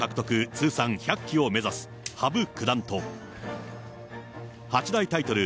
通算１００期を目指す羽生九段と、八大タイトル